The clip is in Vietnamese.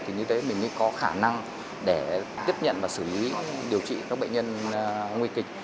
thì như thế mình mới có khả năng để tiếp nhận và xử lý điều trị các bệnh nhân nguy kịch